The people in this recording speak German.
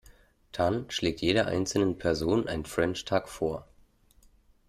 Tan schlägt jeder einzelnen Person einen French Tuck vor.